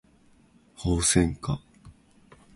ホウセンカ